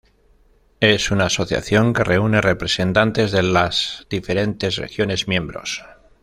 Es una asociación que reúne representantes de las diferentes regiones miembros.